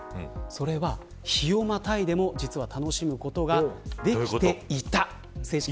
それは、日をまたいでも実は楽しむことができていた。